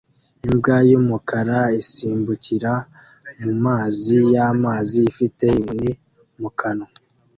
Imbwa y'umukara isimbukira mu mazi y'amazi ifite inkoni mu kanwa